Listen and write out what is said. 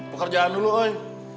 pekerjaan dulu woi